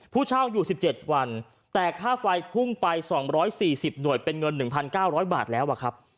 ผู้เช่าอยู่๑๗วันแต่ค่าไฟพุ่งไป๒๔๐หน่วยเป็นเงิน๑๙๐๐บาทแล้วครับ